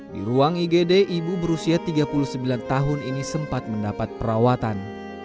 di ruang igd ibu berusia tiga puluh sembilan tahun ini sempat mendapat perawatan